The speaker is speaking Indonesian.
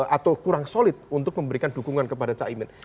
atau kurang solid untuk memberikan dukungan kepada caimin